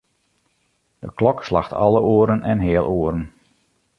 De klok slacht alle oeren en healoeren.